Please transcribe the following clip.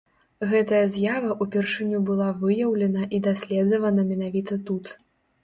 Гэтая з'ява ўпершыню была выяўлена і даследавана менавіта тут.